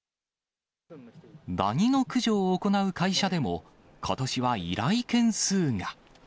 ダニの駆除を行う会社でも、ことしは依頼件数が。